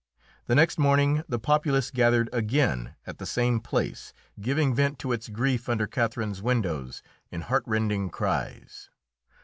The next morning the populace gathered again at the same place, giving vent to its grief under Catherine's windows in heartrending cries.